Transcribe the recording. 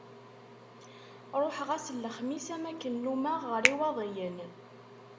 Ruḥeɣ ass n lexmis am wakken nummeɣ ɣer Iwaḍiyen.